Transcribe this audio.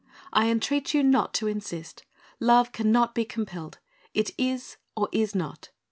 I entreat you not to insist. Love cannot be compelled. It is or is not.